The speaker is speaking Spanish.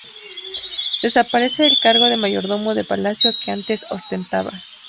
Desaparece el cargo de Mayordomo de Palacio, que antes ostentaba.